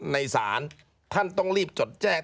ในศาลท่านต้องรีบจดแจ้ง